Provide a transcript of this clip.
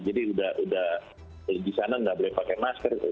jadi udah di sana nggak boleh pakai masker